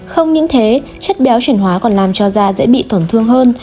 không những thế chất béo chuyển hóa còn làm cho da dễ bị tổn thương hơn